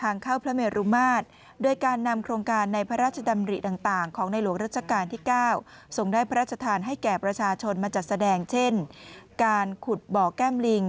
สิ่งปลูกสร้างประกอบเสร็จเรียบร้อยแล้ว